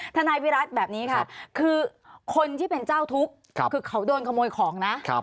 นายวิรัติแบบนี้ค่ะคือคนที่เป็นเจ้าทุกข์คือเขาโดนขโมยของนะ